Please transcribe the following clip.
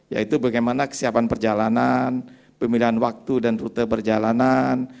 yaitu bagaimana kesiapan perjalanan pemilihan waktu dan rute perjalanan